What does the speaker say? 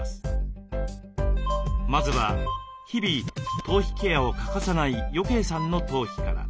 まずは日々頭皮ケアを欠かさない余慶さんの頭皮から。